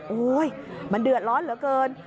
โอ๊ยมันเดือดร้อนเหลือเกิน